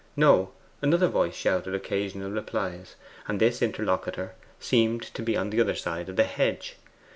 No: another voice shouted occasional replies; and this interlocutor seemed to be on the other side of the hedge.